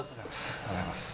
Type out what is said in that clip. おはようございます。